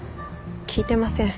聞いてません。